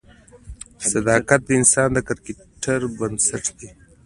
صداقت د انسان د کرکټر بنسټ دی.